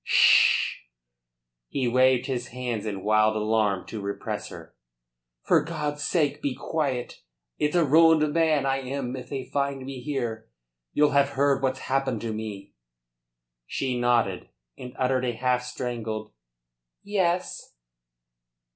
"'Sh!" He waved his hands in wild alarm to repress her. "For God's sake, be quiet! It's a ruined man I am if they find me here. You'll have heard what's happened to me?" She nodded, and uttered a half strangled "Yes."